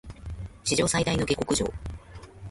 史上最大の下剋上